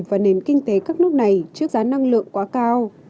và nền kinh tế các nước này trước giá năng lượng quá cao